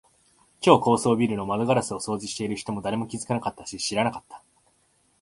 超高層ビルの窓ガラスを掃除している人も、誰も気づかなかったし、知らなかった。